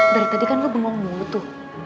dari tadi kan lo bengong mulu tuh